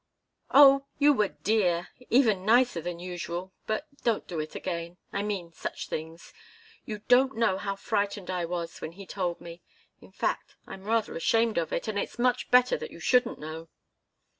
"Oh you were 'dear' even nicer than usual! But don't do it again I mean, such things. You don't know how frightened I was when he told me. In fact, I'm rather ashamed of it, and it's much better that you shouldn't know."